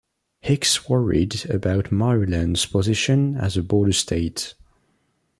Hicks worried about Maryland's position as a border state.